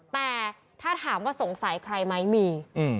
แต่ถ้าถามว่าสงสัยใครไหมมี